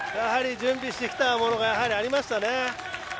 準備してきたものがありましたね。